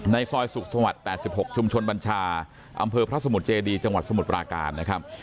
ซอยสุขสวรรค์๘๖ชุมชนบัญชาอำเภอพระสมุทรเจดีจังหวัดสมุทรปราการนะครับ